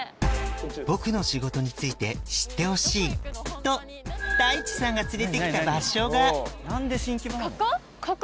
「僕の仕事について知ってほしい」とタイチさんが連れて来た場所がここ？